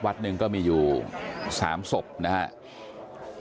วัดหนึ่งก็มีอยู่๓ศพนะครับ